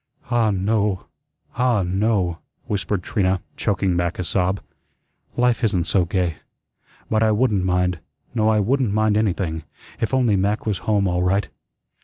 "Ah, no; ah, no," whispered Trina, choking back a sob. "Life isn't so gay. But I wouldn't mind, no I wouldn't mind anything, if only Mac was home all right."